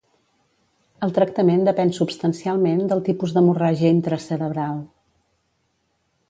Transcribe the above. El tractament depèn substancialment del tipus d'hemorràgia intracerebral.